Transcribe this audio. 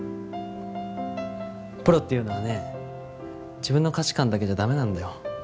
プロっていうのはね自分の価値観だけじゃダメなんだよ。